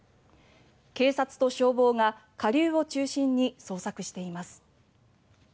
警察と消防が下流を中心に捜索しています。